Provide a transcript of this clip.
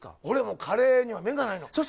俺もうカレーには目がないの。